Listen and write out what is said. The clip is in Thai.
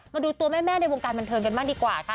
มาดูตัวแม่ในวงการบันเทิงกันบ้างดีกว่าค่ะ